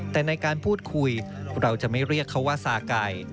แต่ในการพูดคุยเราจะไม่เรียกเขาว่าซาไก่